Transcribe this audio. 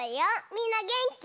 みんなげんき？